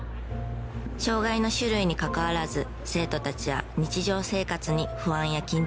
障害の種類にかかわらず生徒たちは日常生活に不安や緊張を抱えがち。